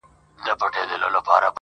• نو چي شاعر پخپله نه په پوهیږي -